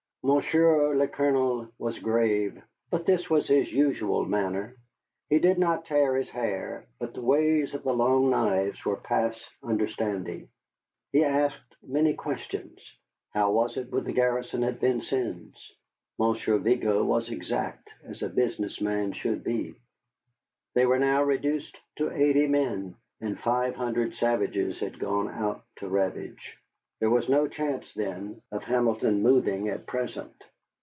Monsieur le Colonel was grave, but this was his usual manner. He did not tear his hair, but the ways of the Long Knives were past understanding. He asked many questions. How was it with the garrison at Vincennes? Monsieur Vigo was exact, as a business man should be. They were now reduced to eighty men, and five hundred savages had gone out to ravage. There was no chance, then, of Hamilton moving at present?